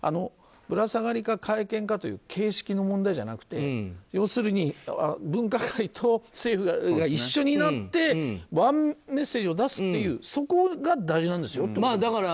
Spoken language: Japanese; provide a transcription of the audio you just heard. ぶら下がりか会見かという形式の問題じゃなくて要するに分科会と政府が一緒になってワンメッセージを出すというそこが大事なんですよね。